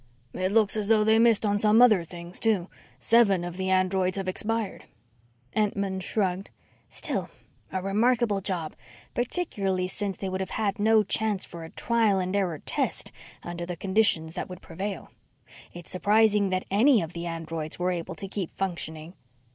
"It looks as though they missed on some other things, too. Seven of the androids have expired." Entman shrugged. "Still a remarkable job, particularly since they would have no chance for a trial and error test under the conditions that would prevail. It's surprising that any of the androids were able to keep functioning."